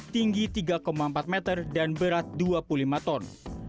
tinggi tiga empat meter dan berat dua puluh lima ton